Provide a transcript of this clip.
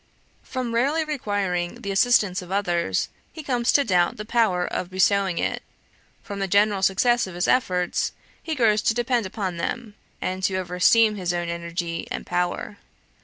From rarely requiring the assistance of others, he comes to doubt the power of bestowing it: from the general success of his efforts, he grows to depend upon them, and to over esteem his own energy and power.